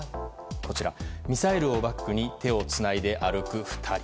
こちら、ミサイルをバックに手をつないで歩く２人。